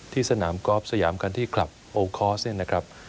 ที่สนามกอล์ฟสยามการที่คลับโอล์คอร์สนี่นะครับ